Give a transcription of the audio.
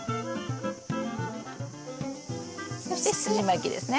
そしてすじまきですね。